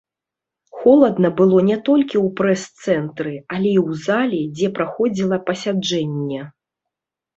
Холадна было не толькі ў прэс-цэнтры, але і ў зале, дзе праходзіла пасяджэнне.